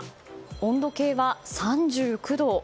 温度計は３９度。